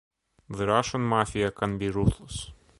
The Russian mafia can be ruthless.